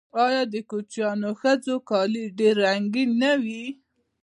آیا د کوچیانیو ښځو کالي ډیر رنګین نه وي؟